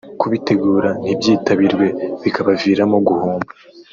kubitegura ntibyitabirwe bikabaviramo guhomba